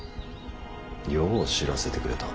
よう知らせてくれた。